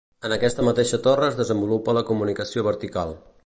En aquesta mateixa torre es desenvolupa la comunicació vertical.